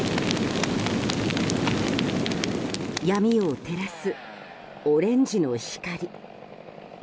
闇を照らすオレンジの光。